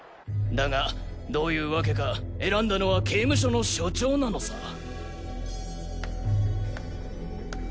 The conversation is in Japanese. だがどういうわけか選んだのは刑務所の所長なのさ。